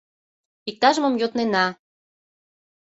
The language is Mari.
Иктаж-мом йоднена.